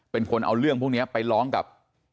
เป็นคนเอาเรื่องพวกนี้ไปร้องกับ